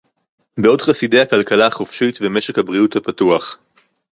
בעוד חסידי הכלכלה החופשית ומשק הבריאות הפתוח